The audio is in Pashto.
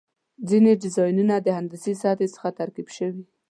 ځینې ډیزاینونه د هندسي سطحې څخه ترکیب شوي.